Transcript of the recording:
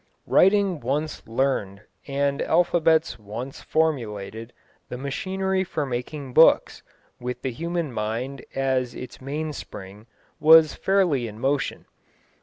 Writing once learned, and alphabets once formulated, the machinery for making books, with the human mind as its mainspring, was fairly in motion.